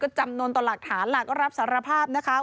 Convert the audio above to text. จำนวนต่อหลักฐานล่ะก็รับสารภาพนะคะ